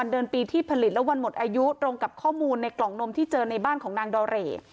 เดือนปีที่ผลิตและวันหมดอายุตรงกับข้อมูลในกล่องนมที่เจอในบ้านของนางดอเรย์